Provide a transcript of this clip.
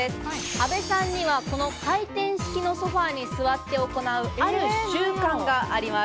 阿部さんには、この回転式のソファーに座って行うある習慣があります。